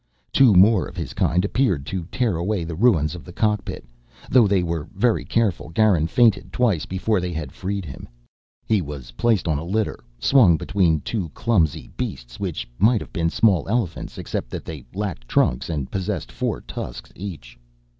Two more of his kind appeared to tear away the ruins of the cockpit. Though they were very careful, Garin fainted twice before they had freed him. He was placed on a litter swung between two clumsy beasts which might have been small elephants, except that they lacked trunks and possessed four tusks each.